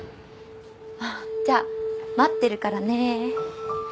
・じゃあ待ってるからね。